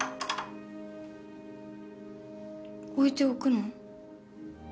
置いておくの？